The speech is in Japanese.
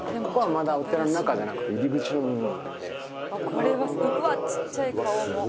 「これはうわっちっちゃい顔も」